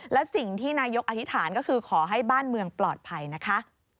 และสิ่งที่นายกอธิษฐานก็คือขอให้บ้านเมืองปลอดภัยนะคะ